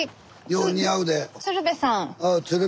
よう似合うで。